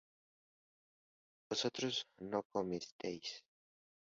vosotros no comisteis